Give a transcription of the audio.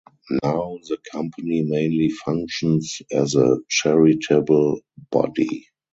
Now, the Company mainly functions as a charitable body.